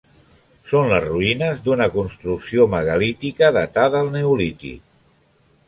Són les ruïnes d'una construcció megalítica datada al Neolític.